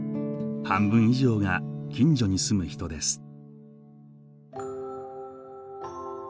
半分以上が近所に住む人です。